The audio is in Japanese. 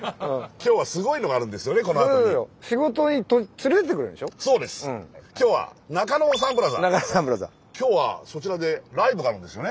今日はそちらでライブがあるんですよね。